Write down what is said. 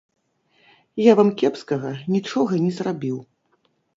Я вам кепскага нічога не зрабіў.